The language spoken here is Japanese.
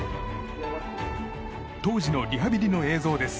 当時のリハビリの映像です。